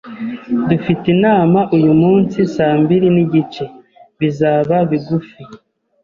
Dufite inama uyumunsi saa mbiri nigice. Bizaba bigufi